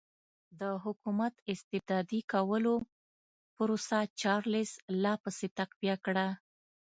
د حکومت استبدادي کولو پروسه چارلېس لا پسې تقویه کړه.